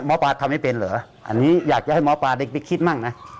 หมอปลาทำให้เป็นเหรออันนี้อยากจะให้หมอปลาเด็กไปคิดมั่งนะ